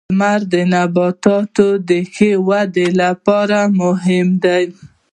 • لمر د نباتاتو د ښه ودې لپاره مهم دی.